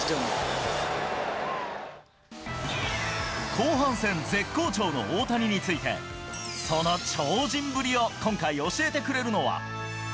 後半戦絶好調の大谷について、その超人ぶりを今回教えてくれるのは。